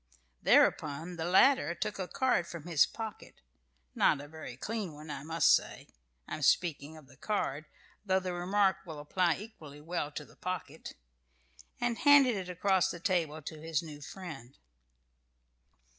Thereupon the latter took a card from his pocket, not a very clean one, I must say (I am speaking of the card, though the remark will apply equally well to the pocket) and handed it across the table to his new friend.